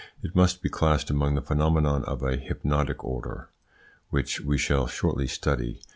It must be classed among those phenomena of a hypnotic order, which we shall shortly study.